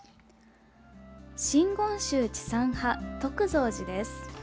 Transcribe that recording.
真言宗智山派、徳蔵寺です。